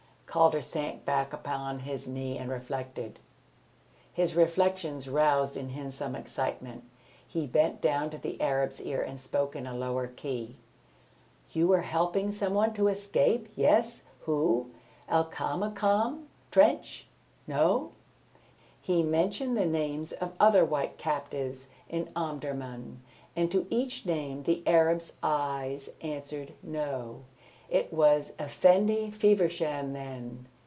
Calder sank back upon his knee and reflected. His reflections roused in him some excitement. He bent down to the Arab's ear and spoke in a lower key. "You were helping some one to escape? Yes. Who? El Kaimakam Trench? No." He mentioned the names of other white captives in Omdurman, and to each name the Arab's eyes answered "No." "It was Effendi Feversham, then?"